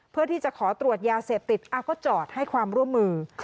เพื่อที่จะขอตรวจยาเสพติดก็จอดให้ความร่วมมือ